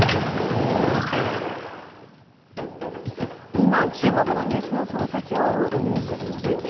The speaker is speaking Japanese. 今、注目のニュースのその先を追う、「ＮＥＷＳそのサキ！」。